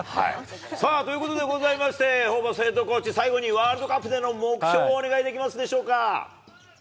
さあ、ということでございまして、ホーバスヘッドコーチ、最後にワールドカップでの目標をお願いできますでしょうか。